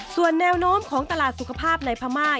ส่วนแนวโน้มของตลาดสุขภาพในพม่า